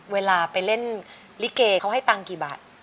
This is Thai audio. เวลาไปเล่นลิเกเขาให้ตังค์กี่บาท